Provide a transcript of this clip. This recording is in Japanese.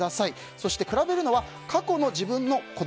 そして比べるのは過去の自分の子供